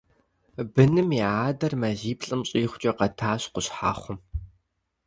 Быным я адэр мазиплӀым щӀигъукӀэ къэтащ Къущхьэхъум.